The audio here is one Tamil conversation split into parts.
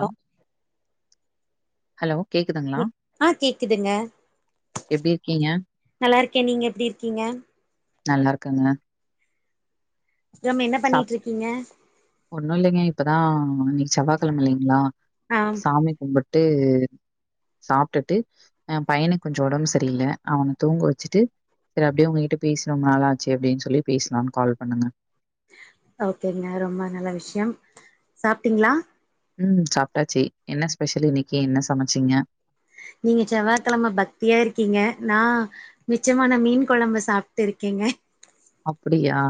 ஹலோ ஹலோ கேக் ஆ கேக்குதுங்க எப்டி இருக்கீங்க? நல்லாருக்கே நீங்க எப்டிருக்கீங்க நல்லாருக்கங்க ப்றமென்ன பண்ணிட்ருக்கீங்க இப்பதா இன்னிக் செவ்வாகெழம இல்லிங்ளா ஆ சாமி கும்பிட்டு சாப்டுட்டு அ பையனுக்கு கொஞ்சோ ஒடம்பு சரியில்ல அவன தூங்க வச்சிட்டு செரி அப்டியே உங்கிட்ட பேசி ரொம் நாளாச்சு அப்டின் சொல்லி பேசலான் கால் பண்ணங்க ஓகேங்க ரொம்ப நல்ல விஷயம் சாப்ட்டீங்களா ம் சாப்ட்டாச்சி என்ன ஸ்பெஷல் இன்னைக்கு என்ன சமச்சிங்க நீங்க செவ்வாகெழம பக்தியா இருக்கீங்க நா மிச்சமான மீன் கொழம்ப சாப்பிட்டு இருக் இருக்கேங்க அப்டியா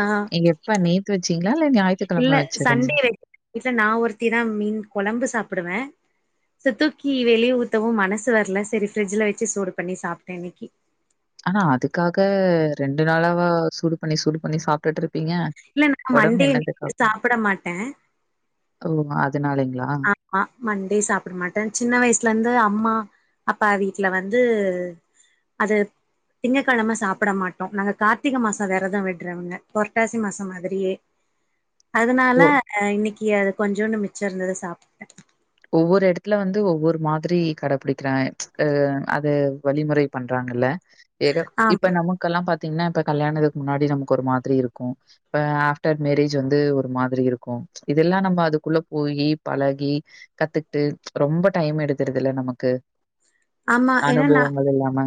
ஆ நீங்க எப்ப நேத்து வச்சீங்ளா இல்ல ஞாயித்துகெழம இல்ல வச்சதுங்ளா சண்டே குழம்பு சாப்பிடுவே இத தூக்கி வெளிய ஊத்தவு மனசு வர்ல செரி ஃபிரிட்ஜில வச்சி சூடு பண்ணி சாப்பிட்டே இன்னைக்கி ஆனா அதுக்காக ரெண்டு நாளாவா சூடு பண்ணி சூடு பண்ணி சாப்பிட்டுட்டு இருக் இல்ல நா மண்டே சாப்பட மாட்டே ஓ அதனாலைங்களா? ஆமா மண்டே சாப்பட மாட்டே சின்ன வயசுல இருந்து அம்மா அப்ப வீட்ல வந்து அது திங்ககெழம சாப்ட மாட்டோ நாங்க கார்த்திக மாசோ வெரதோ விட்றவங்க புரட்டாசி மாசோ மாதிரியே அதுனால ஓ அ இன்னைக்கு அது கொஞ்சோண்டு மிச்சோ இருந்தது சாப்பட்டே ஒவ்வொரு எடத்துல வந்து ஒவ்வொரு மாதிரி கடைப்பிடிக்கிறா ஆ அத வழிமுறை பண்றாங்கல்ல ஏதோ இப்ப ஆமா நமக்கெல்லா பாத் பீன்னா இப்ப கல்யாணத்துக்கு முன்னாடி நமக்கு ஒரு மாதிரி இருக்கும் இப்ப ஆஃப்டர் மேரேஜ் வந்து ஒரு மாதிரி இருக்கு இதெல்லா நம்ம அதுக்குள்ள போயி பழகி கத்துக்கிட்டு ரொம்ப டைம் எடுத்துடுது இல்ல நமக்கு ஆமா ஏன்னா நா அனுபுவங்கள் இல்லாம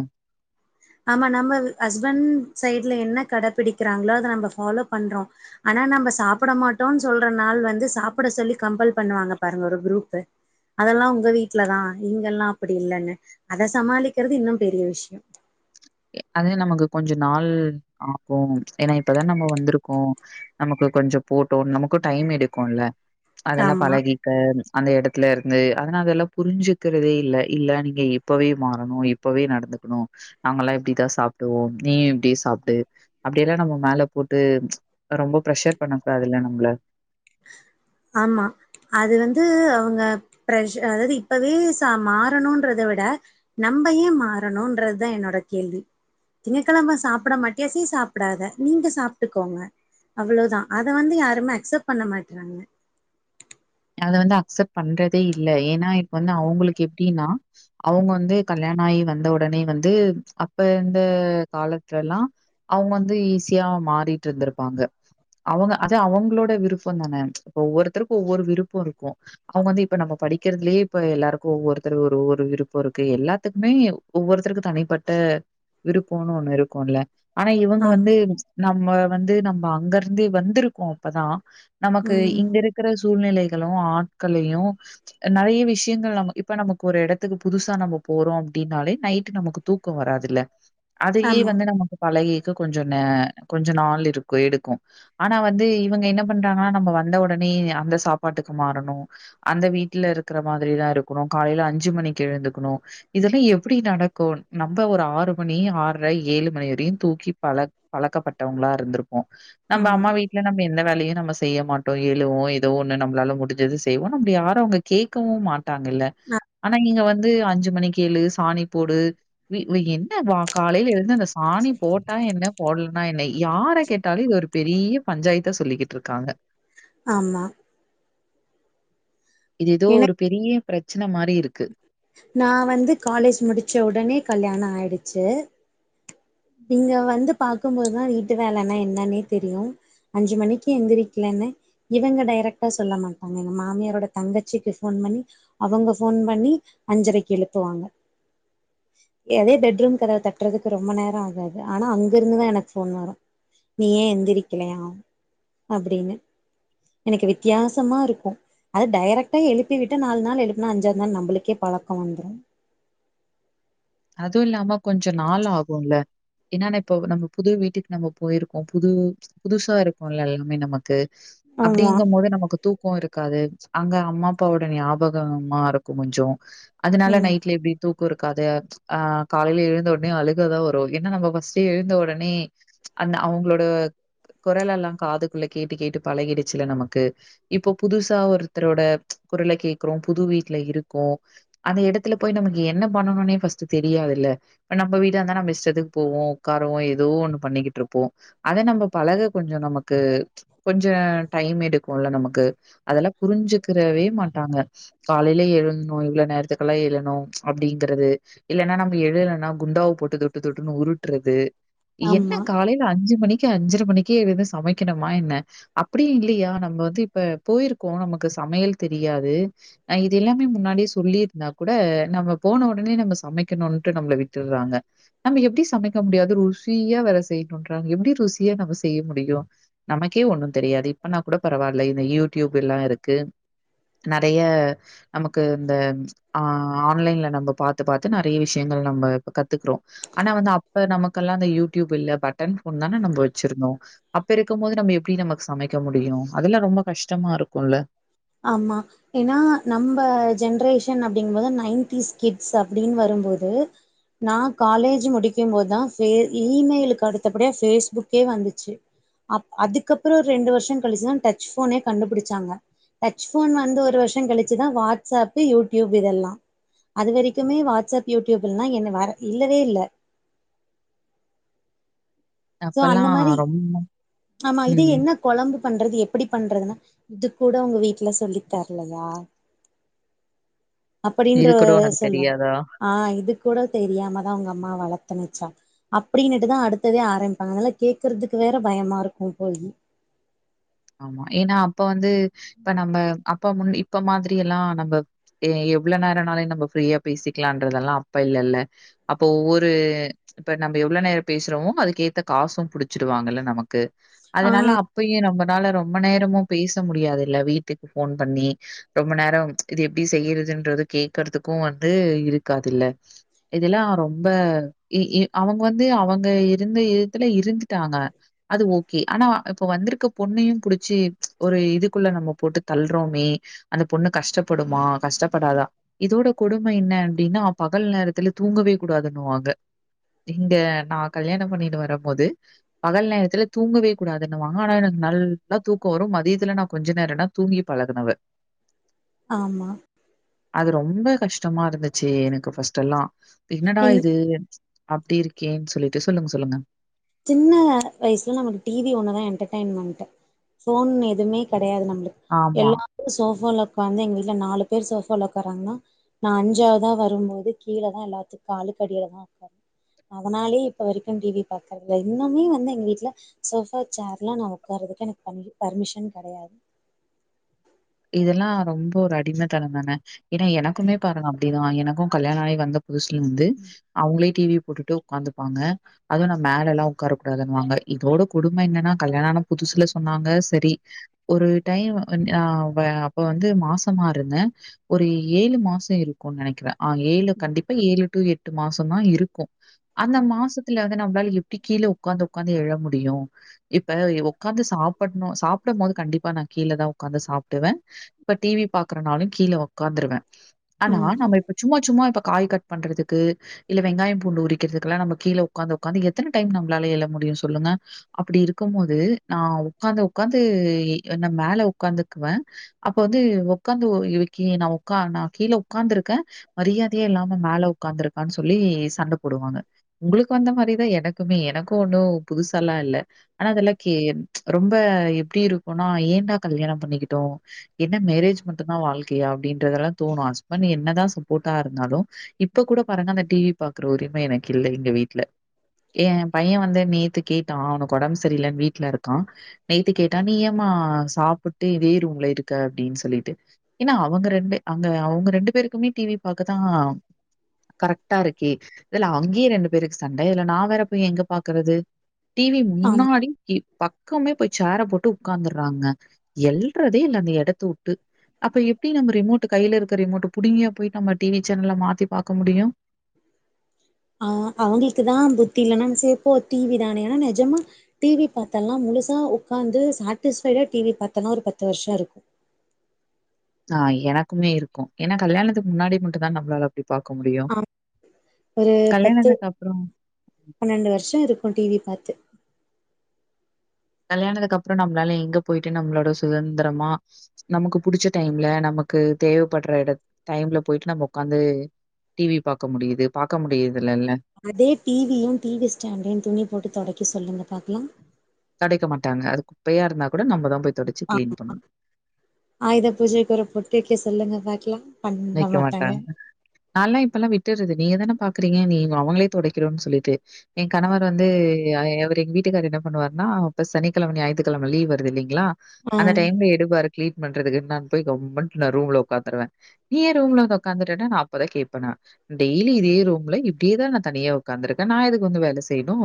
ஆமா நம்ம ஹஸ்பண்ட் சைட்ல என்ன கடைப்பிடிக்கிறாஙளோ அத நம்ம ஃபாலலோ பண்றோ ஆனா ஏன்ன நம்ம சாப்பிட மாட்டோம்ன்னு சொல்ற நாள் வந்து சாப்பிட சொல்லி கம்பல் பண்ணுவாங்க பாருங்க ஒரு குரூபு அதெல்லா உங்க வீட்லதா இங்கெல்லா அப்டி இல்லைன்னு அத சமாளிக்கிறது இன்னு பெரிய விஷ்யோ எ அது நமக்கு கொஞ்சொ நாள் ஆகு ஏன்னா இப்பதான நம்ம வந்திருக்கோ நமக்கு கொஞ்சொ போட்டு நமக்கும் டைம் எடுக்குல்ல அதெல்லா ஆமா பழகிக்க அந்த எடத்துல இருந்து அதுனாலெல்லா புரிஞ்சுக்கிறதே இல் இல்ல நீங்க இப்பவே மாறணு இப்பவே நடத் இருக்கனூ நாங்களெல்லா இப்டி தா சாப்பிடுவோ நீயு இப்டி சாப்பிடு அப்டியெல்லா நம்ம மேலே போட்டு ரொம்ப ப்ரெஷர் பண்ணுவாங்களா நம்மள ஆமா அது வந்து அவுங்க பிரஷர் அதாவது இப்பவே ச மாறனுன்றத விட நம்ப ஏ மாறணும்ன்றது தா என்னோட கேள்வி திங்ககெழம சாப்ட மாட்டியா செரி சாப்பிடாத நீங்க சாப்பிட்டுக்கோங்க அவ்வளவுதா அத வந்து யாருமே அக்செப்ட் பண்ண மாட்றாங்க அத வந்து அக்சப்ட் பண்றதே இல்ல ஏன்னா இப்ப வந்து அவுங்களுக்கு எப்டின்னா அவுங்க வந்து கல்யாணோ ஆயி வந்த உடனே வந்து அப்ப இருந்த காலத்துல எல்லா அவுங்க வந்து ஈஸியா மாறி றிட்டு இருந்துருப்பாங்க அவுங்க அத அவுங்களோட விருப்பம் தான ஒவ்வொருத்தருக்கு ஒவ்வொரு விருப் இருக்கு அவுங்க வந்து இப்ப நம்ம படிக்கிறதுலயே இப்ப எல்லாருக்கு ஒவ்வொருத்தர் ஒரு விருப்பம் இருக்கு எல்லாத்துக்குமே குமே ஒவ்வொருத்தருக்கு தனிப்பட்ட விருப்போனு ஒண்ணு இருக்கு இல்ல ஆனா இவங்க ஆமா வந்து நம்ம வந்து நம்ம அங்க இருந்து வந்திருக்கோ அப்பதா நமக்கு ம் இங்க இருக்கிற சூழ்நிலைகளு ஆட்களையு நெறைய விஷ் விஷயங்கள் நமக்கு இப்ப நமக்கு ஒரு எடத் த்துக்கு புதுசா நம்ம போறோம் அப்படின்னாலே நைட்டு நமக்கு தூக்கம் வராதுல்ல அதையே ஆமா வந்து நமக்கு பழகி கொஞ்சொ கொஞ்ச நாள் இருக்கு எடுக்கு ஆனா வந்து இவுங்க என்ன பண்றாங்கா நம்ம வந்த உடனே அந்த சாப் பாட்டுக்கு மாறணு அந்த வீட்ல இருக்குற மாதிரிதா இருக்கணு காலையில அஞ்சு மணிக்கு எழுந்துக்ணு இதெல்லா எப்டி நடக்கு நம்ம ஒரு ஆறு மணி ஆற்ற ஏழு மணி வரையு தூங்கி பழ பழக்க பட்டவங்களா இருந்துருப்போ நம்ம ஆமா அம்மா வீட்ல நம்ம எந்த வேலையு நம்ம செய்ய மாட்டோ எழுவோ ஏதோ ஒ நம்மளால முடுஞ்சது செய்வோ நம்ள யாரு அவுங்க கேட்கவு மாட்டாங்கல்ல அ ஆனா இங்க வந்து அஞ்சு மணிக்கு எழு சாணி போடு வீ என்ன வா காலைல எழுந்து இந்த சாணி போட்டா என்ன போடலனா என்ன யார கேட்டாலு இது ஒரு பெரியப் பஞ்சாயத்தா சொல்லிகிட்ருக்காங்க ஆமா இது ஏதோ ஒரு எனக்கு பெரிய பிரச்சன மார் நா வந்து காலேஜ் முடிச்ச உடனே கல்யாண ஆயிடுச்சு இங்க வந்து பாக்கம்போதுதா வீட்டு வேலனா என்னானே தெரியு‌ அஞ்சு மணிக்கு எந்திரிக்கில ன இவுங்க டைரெக்டா சொல்ல மாட்டாங்க எங்க மாமியாரோட தங்கச்சிக்கு ஃபோன் பண்ணி அவுங்க ஃபோன் பண் பண்ணி அஞ்சரைக்கு எழுப்புவாங்க எதே பெட்ரூம் கதவ தட்றதுக்கு ரொம்ப நேர ஆகாது ஆனா அங்க இருந்துதா எனக்கு ஃபோன் வரு நீ ஏ எந்திரிக்கிலையா அப்டினு எனக்கு வித்யாசமா இருக்கு அத‌ டைரெக்ட்டா எழுப்பி விட்டா நாலு நாள் எழுப்புனா அஞ்சாவது நாள் நம்மளுக்கே ப பழக்க வந்துரு அதுவு இல்லாம கொஞ்ச நாள் ஆகுல்ல ஏனா நா இப்ப நம்ம புது வீட்டுக்கு நம்ம போய்ருக்கோ புதூ புதுசா இருக்குல்ல எல்லாமே நமக்கு ஆமா அப்டிங்கம்போது நமக்கு தூக் க்கு இருக்காது அங்க அம்மா அப்பாவோட நியாபகமா இருக்கு கொஞ்சோ அதனால ம் நைட்ல எப்டி தூக்க இருக்காது ஆ காலைல எழுந்தவொன்னே அழுகதா வரூ என்னா நம்ம ஃபர்ஸ்ட் எழுந்த ஒடனே அந்த அவுங்ளோட கொரல் எல்லா காதுக்குள்ள கேட்டு கேட்டு பழகிடுச்சுல நமக்கு இப்போ புதுசா ஒருத்தரோட குரல கேக்றோ புது வீட்ல இருக்கோ அந்த எடத்துல போய் நமக்கு என்ன பண்ணணுனே ஃபர்ஸ்ட் ச்சு தெரியாதுல்ல நம்ம வீடா இந்தா நம்ம இஷ்டத்துக்கு போவோ உக்காருவோ ஏதோ ஒன்னு பண்ணிகிட்ருப்போ அ த நம்ம பழக கொஞ்ச நமக்கு கொஞ்சோ டைம் எடுக்குல்ல நமக்கு அதெல்லா புரிஞ்சுக்கிறவே மாட்டாங்க காலைல எழன்னு இவ்ளோ நேரத்துக்கெல்லா எழணு அப்டிங்கிறது இல்லனா நம்ம எழலன்னா குண்டாவ போட்டு தொட்டு தொட்டுன்னு உருட்றது என்ன ஆமா காலைல அஞ்சு மணி க்கு அஞ்சர மணிக்கே எழுந்து சமைக்கிணுமா என்ன அப்டி இல்லியா நம்ம வந்து இப்ப போயிருக்கோ நமக்கு ச சமையல் தெரியாது அ இது எல்லாமே முன்னாடிேயே சொல்லிருந்தா கூட நம்ம போன ஒடனே நம்ம சமைக்கணுன்ட்டு நம்ள விட்டுர்றாங்க நம்ம எப்டி சமைக்க முடியாது ருசியா வேற செய்ணுன்றாங்க எப்டி ருசி சியா நம்ம செய்ய முடியு நமக்கே ஒன்னு தெரியாது பண்ணா கூட பரவால்ல இந்த யூடியூப் எல்லா இருக்கு நெறைய நமக்கு இந்த ஆ ஆன்லைன்ல நம்ம பாத்து பாத் து நெறைய விஷ்யங்கள் நம்ம இப்ப கத்துக்கிறோ ஆனா வந்து அப்ப நமக்கெல்லா அந்த யூடியூப் இல்ல பட்டன் ஃபோன் தானே நம்ம வச்சிருந்தோ அப்ப இருக்கம்போது நம்ம எப்டி நமக்கு சமைக்க முடியு ஆம்மா ஏனா நம்ப ஜென்ரேஷ் ஷன் அப்டிங்கும்போது நைன்டிஸ் கிட்ஸ் அப்டின்னு வரும்போது நா காலேஜ் முடிக்கம் போதா ஃபே இமெயிலுக்கு அடுத்தபடியா ஃபேஸ்புக்கே வந்துச்சு அப் அதுக்கப்ற ரெண்டு வருஷ கழிச்சுதா டச் ஃபோனே கண்டுபுடிச்சாங்க டச் ஃபோன் வந்து ஒரு வருஷ கழிச்சுதா வாட்ஸ்அப்பு யூடியூப் இதெல்லா அது வரைக்குமே வாட்ஸ்அப் யூடியூப் எல்லா என்ன வர இல்லவே இல்ல சோ அந்த அப்பல்லாம் மாரி ரொம்ப ஆமா இது ம். என்ன கொழம்பு பண்றது எப்டி பண்றதுனா இது கூட உங்க வீட்ல சொல்லித் தரலயா அப்டின்ற இது அ கூட உனக்கு சொல்வாங் தெரியாதா? ஆ இது கூட தெரியாம தா உங்க அம்மா வளத்துனுச்சா அப்டினுட்டு தா அடுத்ததே ஆரம் அங்கதலா கேக்குறதுக்கு வேற பயமா இருக்கு போயி ஆமா ஏனா அப்ப வந்து இப்ப நம்ப அப்ப முன் இப்ப மாதிரியெல்லா நம்ப எவ்ளோ நேரம்னாலே நம்ப ஃப்ரியா பேசிக்கலான்றதெல்லாம் அப்ப இல்லல்ல அப்ப ஒவ்வொரு இப்ப நம்ப எவ்ள நேர பேசுறோ அதுக்கு ஏத்த காசு புடிச்சிடுவாங்கல்ல நமக் ஆ அதனால அப்பயு நம்ப ரொம்ப நேரமு பேச முடியாது இல்ல வீட்டுக்கு ஃபோன் பண்ணி ரொம்ப நேரொ இது எப்டி செய்யுறதுன் ன்றது கேக்கற்துக்கு வந்து இருக்காதுல்ல இதெல்லா ரொம்ப இ இ அவங் வந்து அவங்க இருந்த இதுத்துல இருந்துடாங்க அது ஓகே அனா இப்ப வந்துருக்க பொண்ணயு புடுச்சி ஒரு இது ல்ல நம்ம போட்டு தள்றோமே அந்த பொண்ணு கஷ்ட்டப்படுமா கஷ்ட்டப்படாதா இதோட கொடும்ம இன்ன அப்டின்னா பகல் நேரத்துல தூங்கவே கூடாதுன்னுவாங்க இங்க நா கல்யாண பண்ணின்னு வரமோது பகல் நேரத்துல தூங்கவே கூடாதுன்னுவாங்க அனா எனக் நல்லா தூக்க வரு மதியத்துல நா கொஞ்ச நேரனா தூங்கி பழகுனவ ஆமா அது ரொம்ப கஷ்ட்டமா இருந்துச்சு எனக்கு ஃபஸ்டல்லா என்னடா எங் இது அப்டி இருக்கேன் சொல்லிட்டு சொல்லுங்க சொல்லுங்க சின்ன வய்ஸ்ல நமக்கு டீவி ஒன்னதா என்டர்டயன்மண்ட்டு ஃபோன் எதும்மே கெர் டையாது நம்ளுக் ஆமா. எல்லாரு சோஃபால காந்து எங் வீட்ல நாலு பேர் சோஃபால ஒக்காறாங்னா நா அஞ்சாவுதா வருமோது கீல தா எல்லாத்துக் காலு கடியல தா ஒக்காரு அதனால்யே இப்ப வரிக்கு டீவி பாக் கட்த இன்னமே வந்து எங் வீட்ல சோஃபா சேர்லா நா ஒக்காற்றதுக்கு எனக்கு பங்கி பர்மிஷன் கெடயாது இதெல்லா ரொம்ப ஒரு அடிமெ தனந்தான ஏனா எனக்குமே பாருங்க அப்டிதா எனக்கு கல்யாண ஆயி வந்தப் புதுஸ்லிந்து அவுங்ளே டீவி போட்டுட்டு உக்காந்துப்பாங்க அது நா மேலெலா உக்காரக்கூடாதுன்வாங்க இதோட கொடும்ம என்னனா கல்யாணன புது உசுல சொன்னாங்க சரி ஒரு டைவு [unintelligible] வ அப்ப வந்து மாசமா இருந்த ஒரு ஏலு மாச இருக்குன் நெனக்கிற ஆ ஏலு கண்டிப்பா ஏலு டூ எட்டு மாசொந்தா இருக்கு அந்த மாசத்துல வந்து நம்ப்லால எப் டி கீல உக்காந் உக்காந் எழ முடியு இப்ப எ ஒ உக்காந்து சாப்பட்ணு சாப்டமோது கண்டிப்பா நா கீல தா உக்காந்து சாப் டுவ இப்ப டீவி பாக்றனாலு கீல ஒக்காந்ருவ அனா ம் நம்ம இப்ப சும்மா சும்மா இப்ப காய் கட் பண்றதுக்கு இல்ல வெங்காய பூண்டு உரிக்கிற்துக்குளா நம்ம கீல உக்காந் உக்காந்து எத்தன டைம் நம்ளால எல முடியு சொல்லுங்க அப்புடி இருக்குமோது நா ஒக்காந்த ஒக்காந்து எய் ந மேல உக்காந்து குவ அப்ப வந்து ஒக்காந்து ஒ யு கி நா ஒக்கார் நா கீலவ் உக்காந்துருக்க மரியாத்யே இல்லாம மேல உக்காந்துருக்கான் சொல்லி சண்ட போடுவாங்க உங்குளுக்கு வந்த மாரி எனக்குமே எனக்கு ஒன்னு புதுசால்லா இல்ல அனா அதல்லா கே ரொம்ப இத் ப்டி இருக்குன்னா ஏன்டா கல்யாண பண்ணிக்கிட்டோ என்ன மேரேஜ் மட்டுந்தா வாழ்க்கியா அப்டின்றதெல்லா தோணு ஹஸ்பண் என்னதா சப்போட்டா இருந்தாலு இப்ப கூட் கூட பாருங்க அந்த டீ வி பாக்குற உரிம எனக்கு இல்ல எங்க வீட்ல ஏ பைய வந்து நெத்து கேட்டா அவ்னுக்கு ஒடம் சரியிலன் வீட்ல இருக்கா நெய்த்து கேட்டா நீ ஏம்மா ஆ சாப்புட்டு இதே டூம்ல இருக்க அப்டடீன் சொல்லிட்டு என்னா அவங்க ரெண்டு அங்க அவுங்க ரெண்டு பேருக்குமே டீவி பாக்கதா கரக்ட்டா இருக்கே இதுல அங்கி ரெண்டு பேருக் சண்ட இதுல நா வேற பேய் எங்க பாக்கறது டீவி ஆமா முன்னாடி கி பக்கமே போய் சேர போட்டு உக்காந்துற்றாங்க எல் ட்றதே இல்ல அந்த எடத்து உட்டு அப்ப எப்டி நம்ப ரிமோட்டு கைல இருக்க ரிமோட்டு புடுங்கியா போயிட் அம்மா டீவி சேனல்ல மாத்தி பாக்க முடியு ஆ அவுங்ள்க்கு தா புத்தி இல்லனா சே போ டீவி தானேனனு ஜம்மா டீவி பாத்தல்லா முலுசா ஒக்காந்து சேட்டிஸ்ஃபைடா டீவி பாத்தனா ஒரு பத்து வர்ஷ இருக்கு ஆ எனக்குமே இருக்கு ஏன்னா கல்யாணத்துக்கு முன்னாடி மட்டு தா நம்ப்ளால அப்டி அ ஒரு பத்து கல்யாணத்துக்கு அப்புறம் பன்னண்டு வர்ஷ இருக்கு டீவி பாத்து கல்யாணதுக் அப்ரொ நம்ளால எங்க போயிட்டு நம்ளோட சுதந்ரமா நமுக்கு புடுச்ச டைம்ல நம நமக்கு தேவைப்படுற இடத் டைம்ல போயிட்டு நம்ம உக்காந்து டிவி பாக்க முடியுது பாக்க முடியு அதே டிவியு டிவி ஸ்டாண்டையு துணி போட்டு தொடைக்க சொல்லுங்க பாக்கலா டைக்க மாட்டாங்க அது குப்பையா இருந்தா கூட நம்ப தா போய் தொடச்சு கிளீன் ஆமா பண்ணணும். ஆயுத பூஜைக்கு ஒரு பொட்டு வைக்க சொல்லுங்க பாக்கலா வைக்க மாட்டாங்க நான்ல்லா இப்பெல்லா விட்டுறது நீங்க தானப் பாக்குறீங்க நீ அவங்களே தொடைக்கிறுனு சொல்லிட்டு எ கணவர் வந்து அவர் எங்க வீட்டுக்கார் என்ன பண்ணுவாருன்னா அ அப்ப சனிக்கெழம ஞாயித்துக்கெழம லீவ் வருது இலைங்கிளா ஆ அந்த டைம்ல எடுபாரு கிளீன் பண்றதுக்கு நான் போய் கம்முனு நா ரூம்ல உக்காந்துருவ நீ ஏ ரூம்ல வந்து உக்காந்துட்டனா நா அப் பதா கேப்ப நா டெய்லி இதே ரூம்ல இப்படியேதா நா தனியா உக்காந்துருக்க நா எதுக்கு வந்து வேலை செய்யணு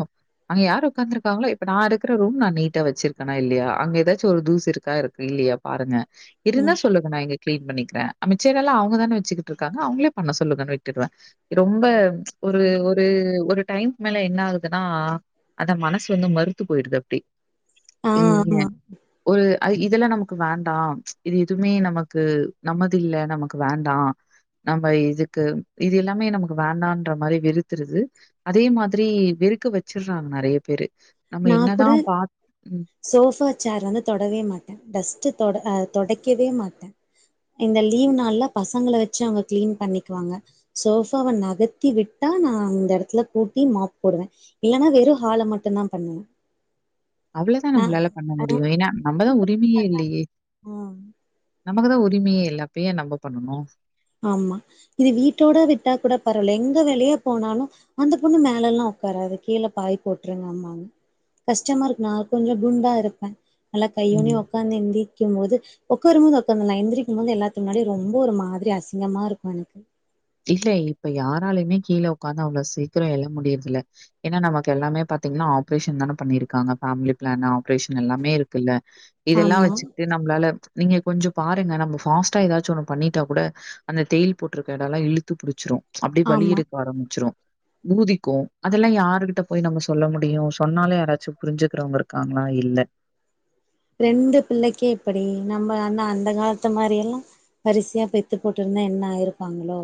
அங்க யார் உக்காந்துருக்காங்களோ இப்ப நா இருக்கிற ரூம் நா நீட்டா வச்சிருக்கனா இல்லையா அங்க ஏதாச்சு ஒரு தூசு இருக்கா இரு இல் கியா பாருங்க ம் இருந்தா சொல்லுங்க நா இங்க கிளீன் பண்ணிக்கிறே அமித் ஷேரல்லா அவங்க தான வச்சுக்கிட்டு இருக்காங்க அவங்கள பண்ண சொல்லுங்கன்னு விட்டுருவே ரொம்ப ஒரு ஒரு ஒவ்வொரு டைம் மேல என்ன ஆகுதுன்னா அந்த மனசு வந்து மறுத்து போயிடுது அப்புடி ஆ இங்க ஆமா ஒரு அ இதுல நமக்கு வேண்டா ச் இது எதுமே நமக்கு நம்மது இல்ல நமக்கு வேண்டா நம்ம இதுக்கு இது எல்லாமே நமக்கு வேண்டான்ற மாரி வெறுத்துருது அதே மாதிரி வெ இருக்க வச்சுறாங்கு நெறய பேரு நம்ம நா கூட என்னதான் பாத் ம். சோஃபா சேர் வந்து தொடவே மாட்ட டஸ்ட்டு தொட ஆ தொடைக்கவே மாட்ட இந்த லீவ் நாள்ல பசங்கள வச்சு அவங்க கிளீன் பண்ணிக்குவாங்க சோஃபாவ நகத்தி விட்டாக் நா இந்த இடத்துல கூட்டி மாப் போடுவ இல்லன்னா வெறு ஹால மட்டுந்தா பண்ணுவ அவ்ளதா நம்மளால பண்ண முடியு ஏன்னா நம்பதா உரிமையே இல்லயே ம் நமக்குதா உரிமையே இல்ல அப்டி யா நம்ம பண்ணணு ஆமா இது வீட்டோட விட்டா கூட பரவால எங்க வெளிய போனாலு அந்த பொண்ணு மேல எல்லா ஒக் காறாது கீழ பாய் போட்டுருங்க ம்பாமாங்க கஷ்டமாருக்கு நா கொஞ்ச குண்டா இருப்ப நல்லா கையுனி ம். ஒக்காந்து எந்தி க்கும் போது உக்காரும்போது உக்காந்துல எந்திரிக்கும் போது எல்லாத்து முன்னாடி ரொம்ப ஒரு மாதிரி அசிங் ங்கம்மா இருக்கு எனக்கு இல்ல இப்ப யாராலுமே கீழ உக்காந்து அவ்ளோ சீக்கிர எழ முடியிரதில்ல ஏன்னா நமக்கு எல்லாமே பத் திங்கன்னா ஆப்ரேஷன் தான பண்ணியிருக்கா ஃபேமிலிபிளான் ஆப்ரேசன் எல்லாமே இருக்குல்ல இதெல்லா ஆமா வச்சுட்டு நம்மளால நீங்க கொஞ்ச பாருங்க நம்ம ஃபாஸ்டா ஏதாச்சு ஒண்ணு பண்ணிட்டா கூட அந்த தயில் போட்டிருக்க எட நல்லா இழுத்து புடிச்சிரு அப்புடி வலி ஆமா இருக்க ஆரம்பிச்சிரு ஊதிக்கு அதெல்லா யாருகிட்ட போய் நம்ம சொல்ல முடியு சொன்னாலு யாராச்சு புரிஞ்சுக்கிறவங்க இருக்காங்களா இல்ல ரெண்டு பிள்ளைக்கே இப்படி நம்ம அன்ன அந்த காலத்து மாரி எல்லா வரிசையா பெத்து போட்டிருந்தா என்ன ஆயிருப்பாங்களோ